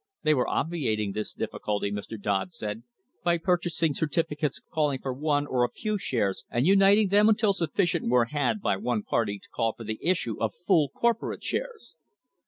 They were obviating this difficulty, Mr. Dodd said, by purchasing certificates calling for one or a few shares and uniting them until sufficient were had by one party to call for the issue of full corporate shares.